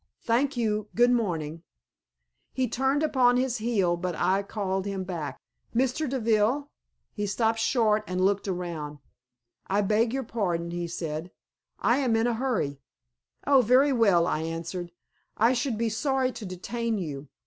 "Thank you; good morning." He turned upon his heel, but I called him back. "Mr. Deville." He stopped short and looked round. "I beg your pardon," he said; "I am in a hurry." "Oh, very well," I answered. "I should be sorry to detain you.